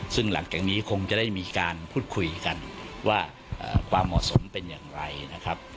ซึ่งหลังจากนี้คงจะได้มีการพูดคุยกันว่าความเหมาะสมเป็นอย่างไรนะครับ